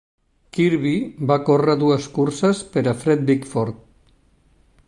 Kirby va córrer dues curses per a Fred Bickford.